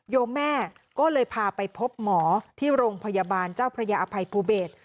โยมแม่ก็เลยพาไปพบหมอที่โรงพยาบาลเจ้าพระยาอภัยภูเบศ